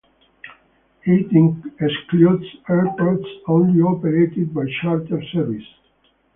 It excludes airports only operated by charter services.